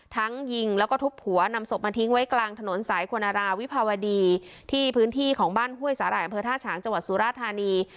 ยิงแล้วก็ทุบหัวนำศพมาทิ้งไว้กลางถนนสายควรราวิภาวดีที่พื้นที่ของบ้านห้วยสาหร่ายอำเภอท่าฉางจังหวัดสุราธานี